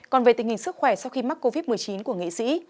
còn về tình hình sức khỏe sau khi mắc covid một mươi chín của nghị sĩ